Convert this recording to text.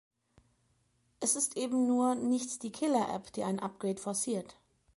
Es ist eben nur nicht die Killer-App, die ein Upgrade forciert.